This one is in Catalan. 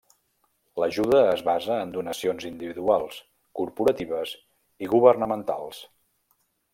L'ajuda es basa en donacions individuals, corporatives i governamentals.